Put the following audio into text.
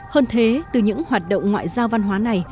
hơn thế từ những hoạt động ngoại giao văn hóa này